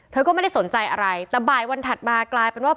เธอก็ไม่ได้สนใจอะไรแต่บ่ายวันถัดมากลายเป็นว่า